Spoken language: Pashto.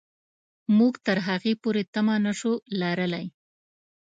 موږ تر هغې پورې تمه نه شو لرلای.